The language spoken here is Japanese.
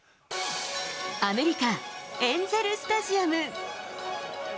アメリカ・エンゼルスタジアム。